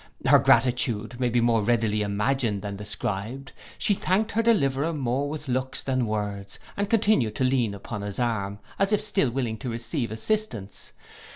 Her gratitude may be more readily imagined than described: she thanked her deliverer more with looks than words, and continued to lean upon his arm, as if still willing to receive assistance.